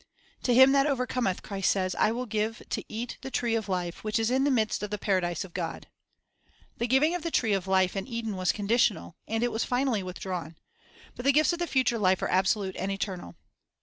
"To him that overcometh," Christ says, "will I give to eat of the tree of life, which is in the midst of the paradise of God." 1 The giving of the tree of life in Eden was conditional, and it was finally withdrawn. But the gifts of the future life are absolute and eternal.